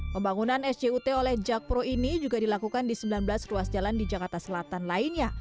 pembangunan sjut oleh jakpro ini juga dilakukan di sembilan belas ruas jalan di jakarta selatan lainnya